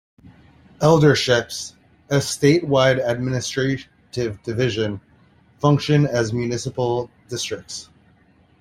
Elderships, a statewide administrative division, function as municipal districts.